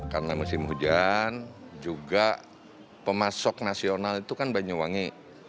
karena musim hujan juga pemasok nasional itu kan banyuwangi